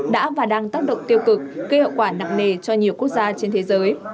đã và đang tác động tiêu cực gây hậu quả nặng nề cho nhiều quốc gia trên thế giới